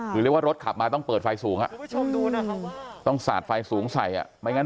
คือเรียกว่ารถขับมาต้องเปิดไฟสูงต้องสาดไฟสูงใส่อ่ะไม่งั้น